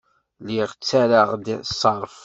Lliɣ ttarraɣ-d ṣṣerf.